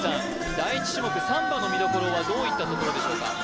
第１位種目サンバの見どころはどういったところでしょうか？